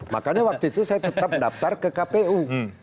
makanya waktu itu saya tetap mendaftar ke kpu